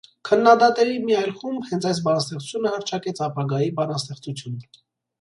Քննադատների մի այլ խումբ հենց այս բանաստեղծությունը հռչակեց «ապագայի բանաստեղծություն»։